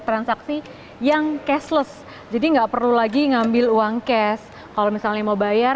transaksi yang cashless jadi nggak perlu lagi ngambil uang cash kalau misalnya mau bayar